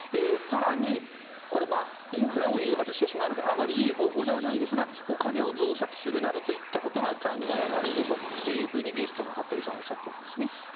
更に、これはインフラを誘発してしまうのであまりいい方法ではないですがお金を増刷するなどといったことが考えられるというふうにゲストの服部さんはおっしゃっているんですね。